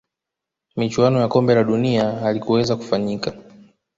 michuano ya kombe la dunia halikuweza kufanyika